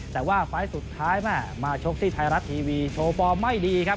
แต่ว่าไฟล์สุดท้ายแม่มาชกที่ไทยรัฐทีวีโชว์ฟอร์มไม่ดีครับ